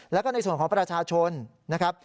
แล้วก็ในส่วนของประชาชนนะครับ